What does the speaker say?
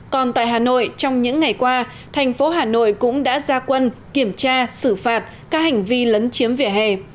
còn tại hà nội trong những ngày qua thành phố hà nội cũng đã ra quân kiểm tra xử phạt các hành vi lấn chiếm vỉa hè